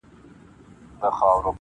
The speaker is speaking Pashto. دا بلي ډېوې مړې که زما خوبونه تښتوي-